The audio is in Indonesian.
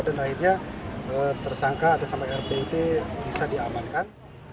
dan akhirnya tersangka atau sampai rp itu bisa diamankan